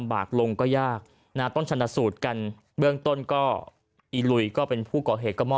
แล้วเขาชอบฟังเพลงก็เรียกคนยิงอ่ะ